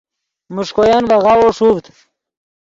میݰکوین ڤے غاوو ݰوڤد